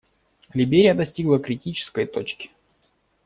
Либерия достигла критической точки.